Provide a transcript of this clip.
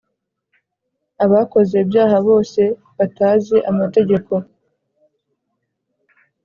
Abakoze ibyaha bose batazi amategeko